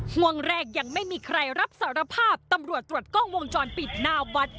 ห่วงแรกยังไม่มีใครรับสารภาพตำรวจตรวจกล้องวงจรปิดหน้าวัด